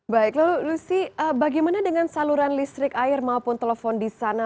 baik lalu lucy bagaimana dengan saluran listrik air maupun telepon di sana